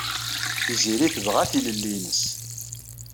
Tiziri tebɣa tilelli-nnes.